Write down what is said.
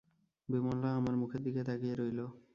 বিমলা আমার মুখের দিকে তাকিয়ে রইল।